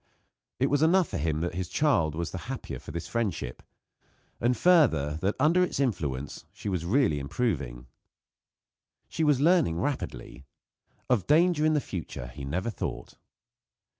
It was enough for him that his child was the happier for this friendship; and, further, that under its influence she was really improving. She was learning rapidly. Of danger in the future he never thought.